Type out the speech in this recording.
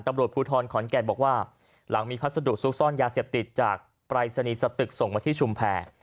ตำรวจภูทรขอนแก่นบอกว่าหลังมีพัสดุซุกซ่อนยาเสพติดจากปรายศนีย์สตึกส่งมาที่ชุมแพร